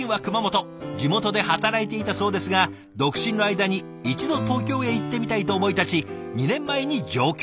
地元で働いていたそうですが独身の間に一度東京へ行ってみたいと思い立ち２年前に上京。